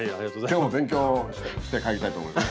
今日も勉強して帰りたいと思います。